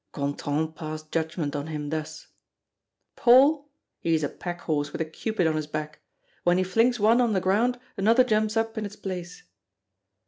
Gontran passed judgment on him thus: "Paul! he is a pack horse with a Cupid on his back. When he flings one on the ground, another jumps up in its place."